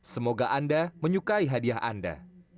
semoga anda menyukai hadiah anda